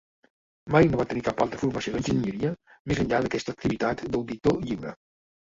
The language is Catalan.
Mai no va tenir cap altra formació d'enginyeria més enllà d'aquesta activitat d'auditor lliure.